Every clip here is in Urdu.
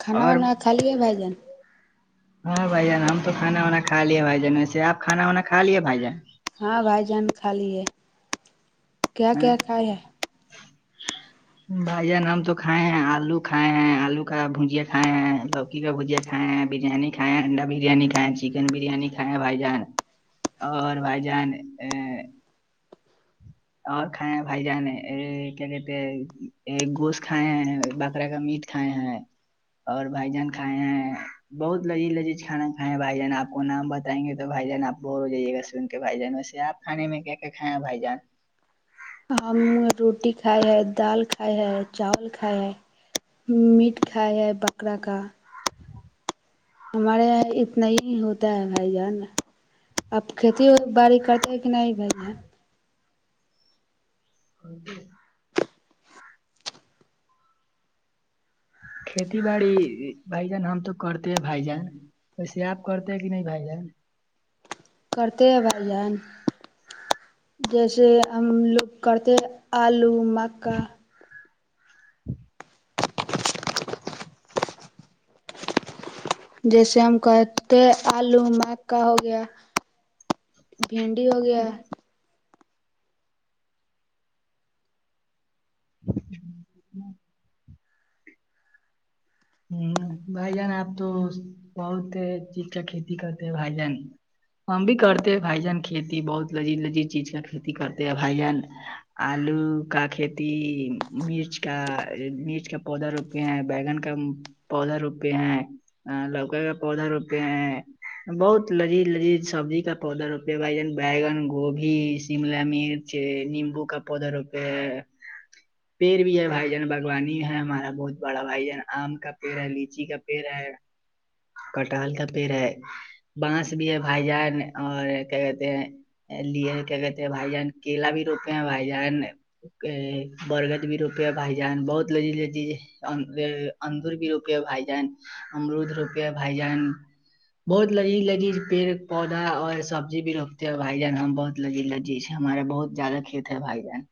کھانا اور وناا کالیے بھ جان ہاں بھائی جان ہم تو کان واناھا لیے بھائی جان ایسے آپھانا وانا کا لیے بھائی جان ہاں بھائی جان کھا لی ہے کیا کیا کھایا ہے بھائییا نام تو کھائے ہیں آلو کھائے ہیں آلو کا بھجیا کھائے ہیں لوکی کا بھجیا کھائے ہیں بریانی کھائےیں ا انڈا بریانیھائےیں چکن بریانیھائےیں بائی جان اور بھائی جان اور کھ بھائی جان کیا کہتے ہیں گوشت کھائے ہیں بکرا کا میٹ کھائے ہیں اور بھائی جان کھائے ہیں بہت لذیذ لذیذ کھا کھائے ہیں بھائی جان آپ کو نام بتائیں گے تو بھائی جان آپ بور ہو جائیے گا سن کے بھائی جان ویسے آپ کھے میں کہ کے کھائےیں بھائی جان ہم روٹی کھائے ہیں دال کھائے ہے چاول کھائے ہیں میٹ کھایا ہے بکرا کا ہمارے یہاں اتنا ہی ہوتا ہے بھائی جان اب کھیتی باڑی کرتے ہے کہ نہیں ہ کھیتی باڑی بھائی جان ہم تو کرتے ہیں بھائی جان وسے آپ کرتے کہ نہیں بھائی جان کرتے ہوبئے جیسے ہم لوگ کرتے آلو مکا جیسے ہم کہتے آلو مکا ہو گیا بنڈی ہو گیا ہ ہ بھائی جان آپ تو بہت چیز کا کھیتی کرتے ہیں بھائی جان ہم بھی کرتے ہیں بھائی جان کھیتی بہت لذیذ لذیذ چیز کا کھیتی کرتے ہیں بھائی جن آلو کا کھیتی مرچ کا مرچ کا پودا روپے ہیں بیگن کا پودا روپے ہیں لوکا کا پودا روپے ہیں بہت لذیذ لذیذ سبزی کا پودا رپ بگن گوبھی شملا مر نیچے نیمبو کا پودا روپ ہے پیڑ بھی ہے بھائی جان باوانی بھی ہے ہمارا بہت بڑا بھائی جان آم کا پیڑ ہے لیچی کا پیڑ ہے کٹہل کا پیڑ ہے بانس بھی ہے بھائی جان اور کیا کہتے ہیں لیے کیا کہتے بھائی جان کیلا بھی روپے ہیں بھائی جان اوک برگد بھی روپئے بھائی جان بہت لذی لذیذ اندور بھی روپے بھائی جان امرود روپ بھائی جان بہت لگی لگی پیڑ پودا اور سبزی بھی رپتے ہیں اور بھائی جان ہم بہت لذی لجی سے ہمارا بہت زیادہ کی تھ بھائی جین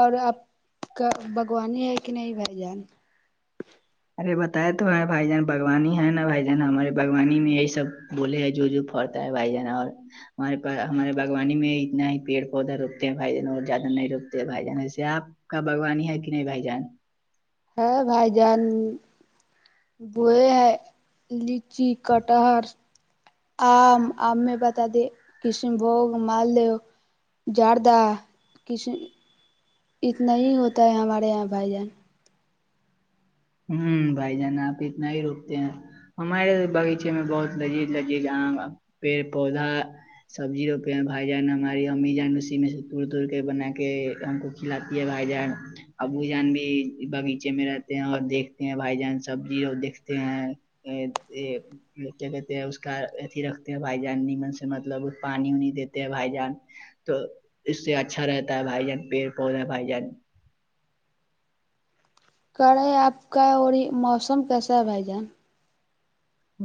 اور آپ کا باگوانی ہے کہ نہیں بھائی جان ارے بتائے تو ہے بھائی جان باوانی ہے نا بھائی جان ہمارے باوانی میں یہی سب بولے ہیں جو جو فر ہے بھائی جانا اور ہمارے پ ہمارے باغوانی میں اتنا ہی پیڑ پودا روکتے ہیں بھائی جان اور زیادہ نہیں روکتے ہیں بھائی جان ایسے آپ کا بگوانی ہے کہ نہیں بھائی جان ہے بھائی جان بئے ہے جی کٹہر آم آم میں بتا دے کشن بوگ مالدو جڑد کش اتنا ہی ہوتا ہے ہمارے یہاں بھائی جان ہوں بھائی جان آپ اتنا ہی روکتے ہیں ہمارے بغیچے میں بہت لذیذ لذیذ پیڑ پودا سبزی روپے بھائی جان ہماری امی جان اسی میں توڑ توڑ کے بنا کے ہم کو کھلاتی ہے بھائی جان ابو جان بھی باغیچے میں رہتے ہیں اور دیکھتے ہیں بھائی جان سبزیو دیکھتے ہیں کیا کہتے ہیں اس کا اھی رکھتے ہیں بھائی جان نیمن سے مطلب پانی وانی دیتے ہیں بھائی جان تو اس سے اچھا رہتا ہے بھائی جان پیڑ پودے بھائی جان کرے آپ کا اور یہ موسم کیسا ہے بھائی جان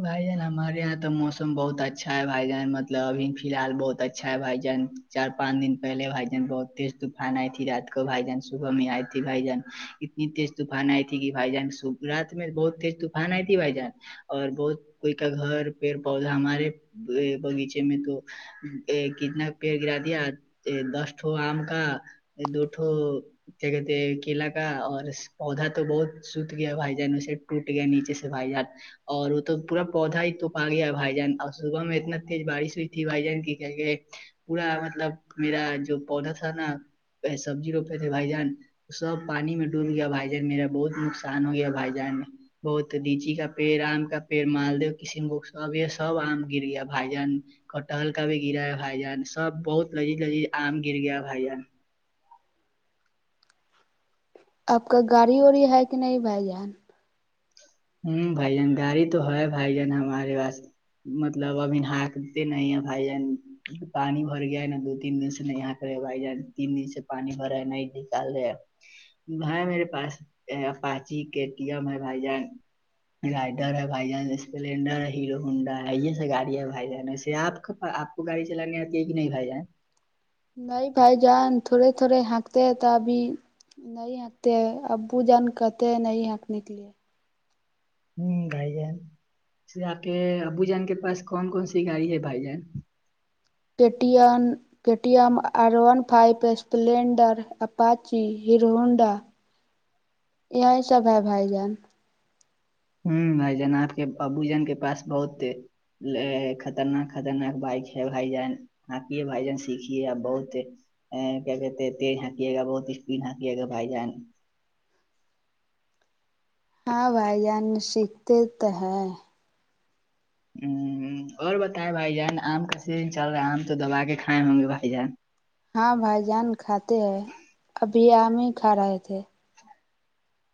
بھائی جان ہمارے یہاں تو موسم بہت اچھا ہے بھائی جان مطلب ابھی فی الحال بہت اچھا ہے بھائی جان چار پانچ دن پہلے بھائی جان بہت تیز طوفان آئی تھی رات کو بھائی جان صبح میں آئی تھی بھائی جان اتنی تیز طوفان آئی تھی کہ بھائی جان صب رات میں بہت تیز طوفان آئی تھی بھائی جان اور بہت کوئی کا گھر پیڑ پودا ہمارے باغیچے میں تو کتناک پیڑ گرا دیا دسٹو آم کا دوٹھو کیا کہتے کیلا کا اور پودا تو بہت ست گیا بھائی جان اسے وٹ کے نچے بائی جار اور وہ تو پورا پودا ہی توپ آ گیا بھائی جان اور صبح میں اتنا تیز بارش ہوئی تھی بھائی جان کی کیا کہ پورا مطلب میرا جو پودا تھا نا سبزی روپے تھے بھائی جان سب پانی میں ڈوب گیا بھائی جان میرا بہت نقصان ہو گیا بھائی جان بہت ڈیچی کا پیڑ آم کا پیڑ مالدو کسیم کو سب یہ سب آم گر گیا بھائی جان کٹا ہلکا بھی گرا ہے بھائی جان سب بہت لذیذ لذیذ آم گر گیا ہے بھائی جان آپ کا گاڑی وڑی ہے کہ نہیں بھائی جان ہوں بھائی جان گاڑی تو ہے بھائی جان ہمارے پاس مطلب ابھی نکتے نہیں ہے بھائی جن پانی بھر گیا ہے نا دو تین دن سے نہیں یہاں کرے بھائی جان تین دن سے پانی بھرا ہے نہیں نکال رہ بھائی میرے پاساچی کے ٹی ایم ہے بھائی جان رائڈر ہے بھائی جان اسپلینڈر ہے ہیرو ہونڈا ہے یہ سب گاڑی ہے بھائی جان وے آپ کےپ کو گاڑی چلانے آتی ہے کہ نہیںاائی جائے [inaudible] نہیں بھائی جان تھوڑے تھوڑے ہنکتے ہیں تو ابھی نہیں ہنکتے ہیں ابو جان کہتے ہیں نہیںاں کا نکلے ہوں گائی جین آ کے ابو جان کے پاس کون کون سی گاڑی ہے بھائی جان ٹی ایم اور ون فائیو اسپلینڈر پاچی ہیر ہونڈا یہی سب ہے بھائی جان ہوں بھائی جان آپ کے ابو جن کے پاس بہت تھے خطرناک خطرناک بائک ہے بھائی جان آکے بھائی جان سیکھیے آپ بہت ا کیا کہتے ہیں تیز ہکیے گا بہت اسپڈ ہکیے گا بھائی جان ہاں بھائی جان سیکھتے تو ہے اور بتائے بھائی جان آم کا سیزن چل رہا ہے آم تو دبا کے کھائے ہوں گے بھائی جان ہاں بھائی جان کھاتے ہیں ابھی آام ہی کھا رہے تھے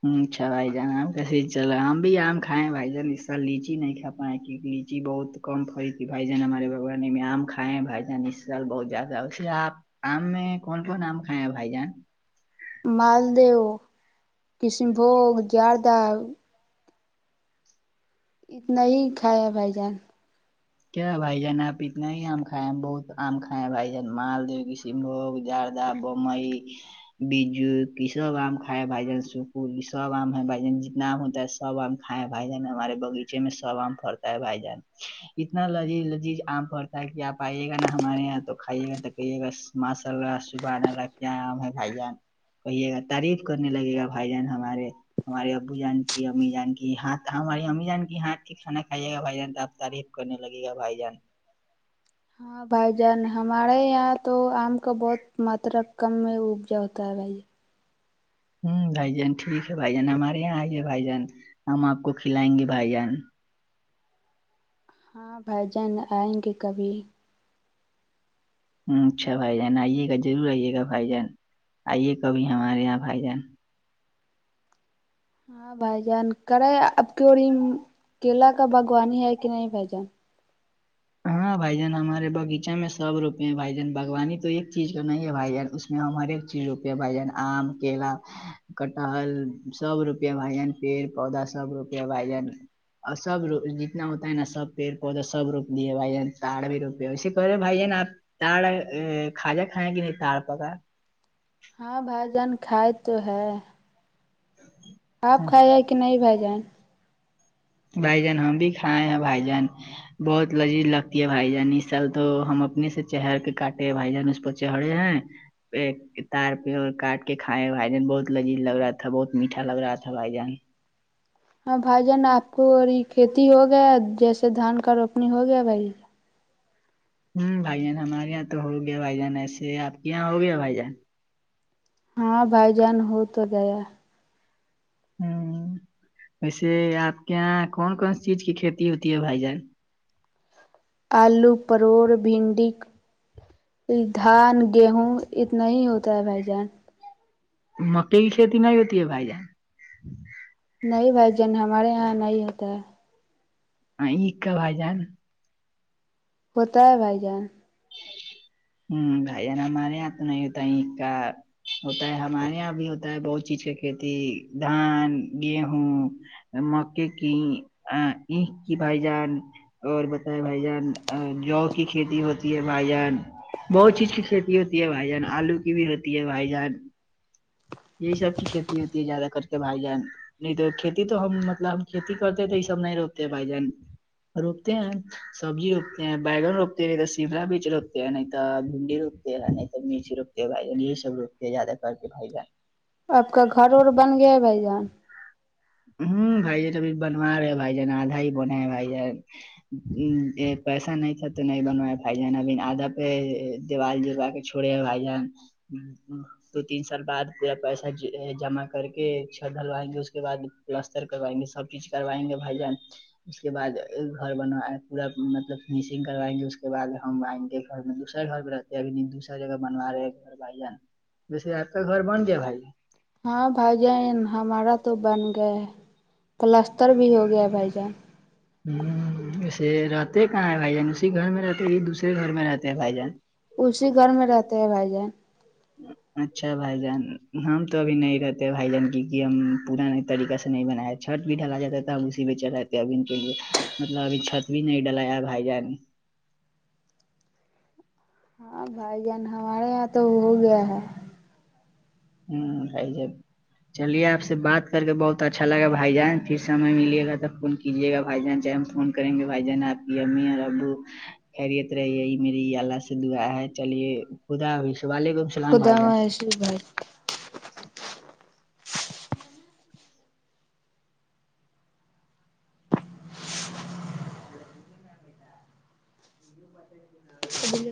اچھاھائی جان کی چل ہم بھی آم کائے بھائی جان اس س لیچی نہیں کا پائے کیوںکہ لیچی بہت کم پھڑی تھی بھائی جان ہمارے بگان میں آم کھائے ہیں بھائی جان اس سال بہت زیادہ اسے آپ آم میں کون کون آم کھائے ہیں بھائی جان مالدیو کشن بھوگ اردہ اتنا ہی کھایا بھائی جان کیا بھائی جان آپ اتنا ہی آم کھائے ہیں بہت آم کھائے ہیں بھائی جان مال د شملوگ جاردہ بمبئی بجو یہ سب آم کائے بھائی جان سپ سب آم ہے بھ جان جتنا آم ہوتا ہے سب آم کھائے ہیں بھائی جان ہمارے بغیچے میں سب آم پرتا ہے بھائی جان اتنا لذیذ لذیذ آم پڑتا ہے کہ آپ آئیے گا نا ہمارے یہاں تو کھائیے گا کہے ب ماشاء اللہ صبح آنے لگ کیاام ہے بھائی جان کہیے گا تعریف کرنے لگے گا بھائی جان ہمارے ہمارے ابو جان کی امی جان کی ہاں ہماری امی جان کی یہ ہاں کھانا کھائیے گا بھائی جان تو آب تعریف کرنے لگے گا بھائی جان ہاں بھائی جان ہمارے یہاں تو آم کا بہت ماترا کم میں اپجا ہوتا ہے بھائی ج ہوں بھائی جان ٹھیک ہے بھائی جان ہمارے یہاں آئیے بھائی جان ہم آپ کو کھلائیں گے بھائی جان ہاں بھجن آئیں گے کبھی اچھا بھائی جان آئیے گا ضرور آئیے گا بھائی جان آئیے گاب ہمارے یہاں بھائی جان ہاں بھائی جان کرے اب کی اور کیلا کا باگوانی ہے کہ نہیں بھائی جان ہاں بھائی جان ہمارے باغیچہ میں سب روپے ہیں بھائی جان باگوانی تو ایک چیز کرنا ہی ہے بھائی جان اس ہم ہر ایک چیز روپے بھ آم کرا کٹل سب روپے بائ جن پیڑ پودا سب روپے با جان اور سب جتنا ہوتا ہے نا سب پیڑ پودا سب رو دیے بھائی جان تاڑ بھی روپے ہو ویے کہ رہے بھائی جان آپ تار ا کاجا کھیں کہ نہیں تار پکا [inaudible] ہاں بھائی جان کھائے تو ہے آپ کھائے پکا جائ کہ نہیں بھیھ جائیں بھائی جان ہم بھی کھائے ہیں بھائی جان بہت لذیذ لگتی ہے بھائی جان اس سال تو ہم اپنے سے چہر کے کاٹے ہیں بھائی جان اس پر چ ہڑے ہیںیں [inaudible] تار پہ اور کاٹ کے کھائے بھائی جان بہت لذیذ لگ رہا تھا بہت میٹھا لگ رہا تھا بھائی جان ہاں بھائی جان آپ کو اور کھیتی ہو گیا جیسے دھان کا روپنی ہو گیا بھائی ہوں بھائی جان ہمارے یہاں تو ہو گیا بھائی جان ایسے آپ کے یہاں ہو گیا بھائی جان ہاں بھائی جان ہو تو گیا ہوں ویسے آپ کے یہاں کون کون چیز کی کھیتی ہوتی ہے بھائی جان آلو پروڑ بھنڈی دھان گیہوں اتنا ہی ہوتا ہے بھائی جان مکئی کی کھیتی نہیں ہوتی ہے بھائی جان نہیں بھائی جان ہمارے یہاں نہیں ہوتا ہے ہ ع کا آائی جائے نا [inaudible] ہوتا ہے بھائی جان ہوں گ جان مارے آت نہیں ہوت کا [inaudible] ہوتا ہے ہمارے یہاں بھی ہوتا ہے بہت چیز کا کھیتی دھان گیہوں مکے کی اکھ کی بھائی جان اور بتائے بھائی جان [inaudible] جوو کی کھیتی ہوتی ہے بھائی جان بہت چیز کی کھیتی ہوتی ہے بھائی جان آلو کی بھی ہوتی ہے بھائی جان یہی سب کی کھیتی ہوتی ہے زیادہ کر کے بھائی جان نہیں تو کھیتی تو ہم مطلب ہم کھیتی کرتے تو یہ سب نہیں روپتے بھائی جان روکتے ہیں سبزی روپتے ہیں بی بگن روپتے نہیں تو سما بیچ روپتے ن تو بھنڈی روپتے ن نہیںئی تو مرچ روپتے بھائی جان یہ سب روپتے زیادہ کر کے بائی جان آپ کا گھر اورور بن گیا ہے بھائی جان ہوں بھائی جان ابھی بنوا رہے ہیں بھائی جان آدھا ہی بنے ہیں بھائی جان ا پیسہ نہیں تھا تو نہیں بنوا بھائی جانا ب آدھا پہ دیوال جگا کے تھوڑے بھائی جان دو تین سال بعد پا پیسہ جمع کر کے چھت ڈلوائیں گے اس کے بعد پلستر کروائیں گے سب چیز کروائیں گے بھائی جان اس کے بعد گھر بن پورا مطلب فنیشنگ کروائیں گے اس کے بد ہم آئیں گے گھر میں دوسرے گھر پہ رہتے ا دوسرا جگہ بنوا رہے گھر بھائیان جیسے آپ کا گھر بن ج بھائی [inaudible] ہاں بھائی جان ہمارا تو بن گیا ہے پلستر بھی ہو گیا بھائی جان ہ ویسے رہتے کا ن ہے بھائی جان اسی گھر میں رہتے ہی دوسرے گھر میں رہتے ہیں بھائی جان اسی گھر میں رہتے ہیں بھائی جان اچھا بھائی جان ہم تو ابھی نہیں رہتے بھائی جان کی ہم پورا نہیں طریقہ سے نہیں بنا چھت بھی ڈلا جاتا ہے توب اسی میں چلاتے ابھی کے لیے مطلب ابھی چھت بھی نہیں ڈالیا بھائی جان ہاں بھائی جان ہمارے یہاں تو ہو گیا ہے ہوں خائی جائے [inaudible] چلیے آپ سے بات کر کے بہت اچھا لگا بھائی جان پھر سم ملے گا تب فون کیجیے گا بھائی جان سے ہم فون کریں گے بھائی جان آپ کی امی اور ابو خیریت رہیی میری اللہ سے دعا ہے چلیے خداب وعلیکم اللام بھائی جان جی بھائی بھائی